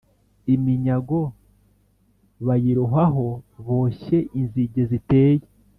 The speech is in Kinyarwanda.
Iminyago bayirohaho, boshye inzige ziteye,